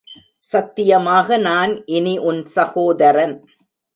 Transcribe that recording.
சத்தியமாக நான் இனி உன் சகோதரன்.